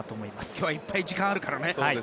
今日はいっぱい時間があるからね。